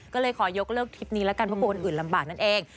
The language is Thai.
ก็เลยขอยกเลิกทริปนี้แล้วกันเพราะกลัวคนอื่นลำบากนั่นเอง